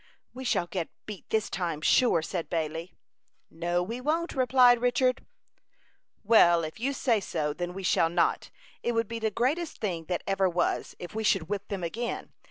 "We shall get beat this time, sure," said Bailey. "No, we won't," replied Richard. "Well, if you say so, then we shall not. It would be the greatest thing that ever was, if we should whip them again.